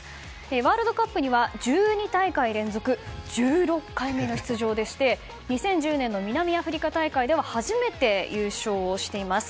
ワールドカップには１２大会連続１６回目の出場で２０１０年の南アフリカ大会では初めて優勝をしています。